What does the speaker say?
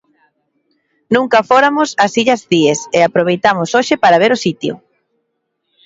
Nunca fóramos ás Illas Cíes e aproveitamos hoxe para ver o sitio.